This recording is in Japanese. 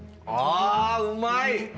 あうまい！